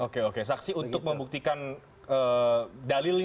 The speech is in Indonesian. oke oke saksi untuk membuktikan dalilnya